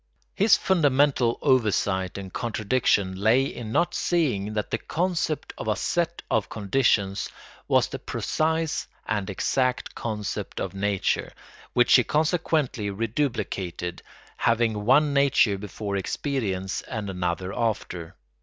His fundamental oversight and contradiction lay in not seeing that the concept of a set of conditions was the precise and exact concept of nature, which he consequently reduplicated, having one nature before experience and another after.